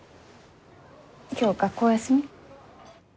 今日学校お休み？